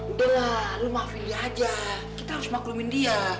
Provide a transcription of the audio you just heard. udah lah lo maafin dia aja kita harus maklumin dia